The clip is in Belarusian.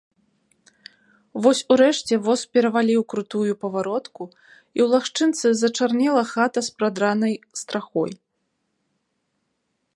Вось урэшце воз пераваліў крутую паваротку, і ў лагчынцы зачарнела хата з прадранай страхой.